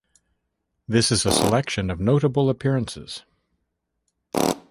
This is a selection of notable appearances.